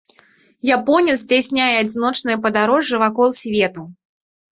Японец здзяйсняе адзіночнае падарожжа вакол свету.